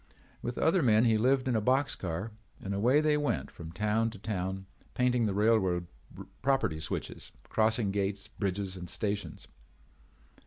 With other men he lived in a box car and away they went from town to town painting the railroad property switches, crossing gates, bridges, and stations.